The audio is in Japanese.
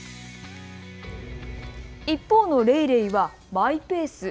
一方のレイレイはマイペース。